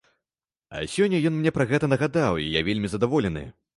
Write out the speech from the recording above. А сёння ён мне пра гэта нагадаў, і я вельмі задаволены.